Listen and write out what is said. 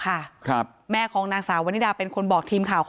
เราก็ตามไปดูว่าชีวิตความเป็นอยู่เป็นยังไง